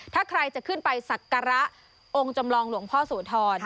ถ้าใครจะขึ้นไปสักการะองค์จำลองหลวงพ่อโสธร